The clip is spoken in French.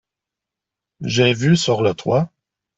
J’ai vu sur le toit.